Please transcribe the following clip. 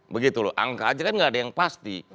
begitu loh angka aja kan nggak ada yang pasti